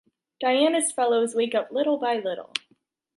Diana’s fellows wake up little by little.